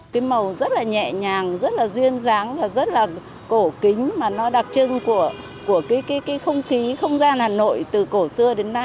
cái màu rất là nhẹ nhàng rất là duyên dáng và rất là cổ kính mà nó đặc trưng của cái không khí không gian hà nội từ cổ xưa đến nay